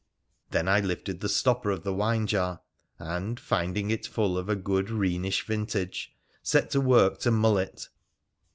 Then I lifted the stopper of the wine jar, and, finding it full of a good Rhenish vintage, set to work to mull it.